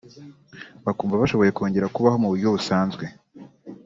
Bakumva bashoboye kongera kubaho mu buryo busanzwe